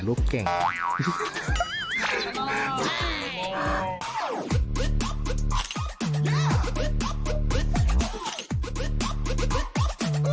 ในวันนี้ก็เป็นการประเดิมถ่ายเพลงแรก